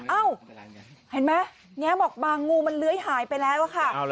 เอ้าเห็นไหมแง้มบอกบางงูมันเลื้อยหายไปแล้วอะค่ะ